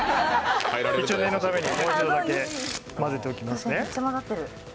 一応念のためにもう一度だけ混ぜていきますね。